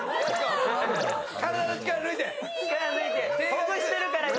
ほぐしてるから、今。